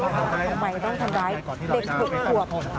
ทำไมต้องทำร้ายเด็ก๖ขวบ